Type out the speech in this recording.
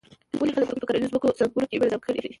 ولې خلک ونې په کرنیزو ځمکو څنګونو کې منظم کري.